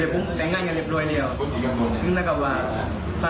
พวกเขาเจอกันมาหรอค่ะ